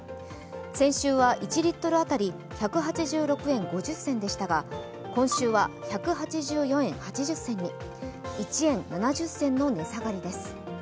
先週は１リットル当たり１８６円５０銭でしたが今週は１８４円８０銭に、１円７０銭の値下がりです。